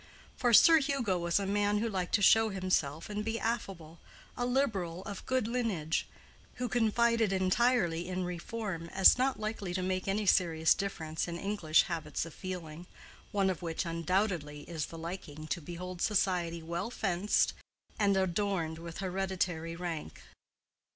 For Sir Hugo was a man who liked to show himself and be affable, a Liberal of good lineage, who confided entirely in reform as not likely to make any serious difference in English habits of feeling, one of which undoubtedly is the liking to behold society well fenced and adorned with hereditary rank.